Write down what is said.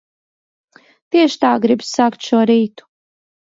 Tieši tā gribas sākt šo rītu.